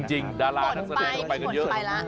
จริงดาราทัศน์ก็ไปกันเยอะ